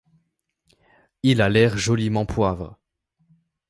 Il a l'air joliment poivre!